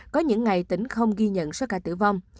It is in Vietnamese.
có những ngày tỉnh không ghi nhận số ca tử vong